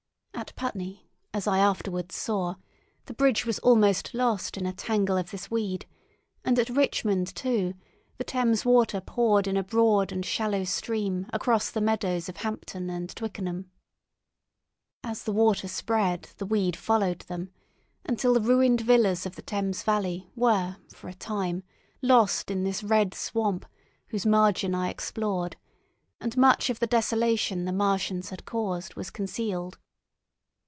At Putney, as I afterwards saw, the bridge was almost lost in a tangle of this weed, and at Richmond, too, the Thames water poured in a broad and shallow stream across the meadows of Hampton and Twickenham. As the water spread the weed followed them, until the ruined villas of the Thames valley were for a time lost in this red swamp, whose margin I explored, and much of the desolation the Martians had caused was concealed.